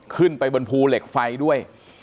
ขึ้นไปบนภูเหล็กไฟด้วย